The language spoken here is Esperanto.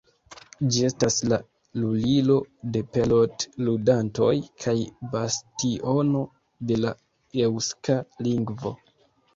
Ĝi estas la Lulilo de pelot-ludantoj kaj bastiono de la eŭska lingvo.